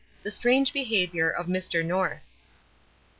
THE STRANGE BEHAVIOUR OF Mr. NORTH.